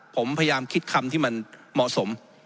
ผมพยายามคิดคำที่มันเหมาะสม